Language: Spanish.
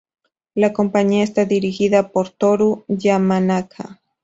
La compañía está dirigida por Toru Yamanaka.